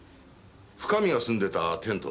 深見が住んでたテント。